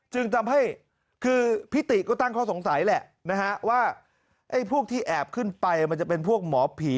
จึงทำให้คือพี่ติก็ตั้งข้อสงสัยแหละนะฮะว่าไอ้พวกที่แอบขึ้นไปมันจะเป็นพวกหมอผี